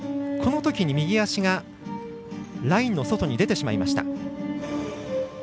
右足がラインの外に出てしまいました。